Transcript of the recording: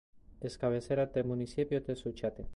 Es cabecera del Municipio de Suchiate.